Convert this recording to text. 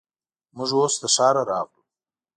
موږ اوس له ښاره راغلو.